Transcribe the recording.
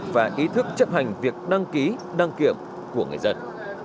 và ý thức chấp hành việc đăng ký đăng kiểm của người dân